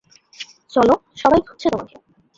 চলো সবাই খুঁজছে তোমাকে।